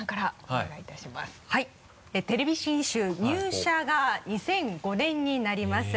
テレビ信州入社が２００５年になります。